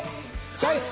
チョイス！